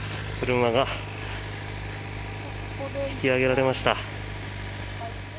車が引き上げられました。